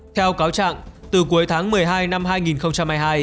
theo cáo trạng từ cuối tháng một mươi hai năm hai nghìn hai mươi hai